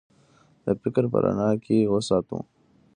د فکر په رڼا کې یې وساتو.